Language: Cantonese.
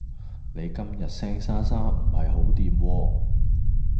你今日聲沙沙唔係好惦喎